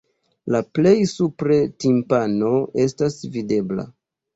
La plej supre timpano estas videbla.